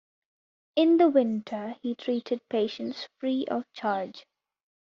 In the winter he treated patients free of charge.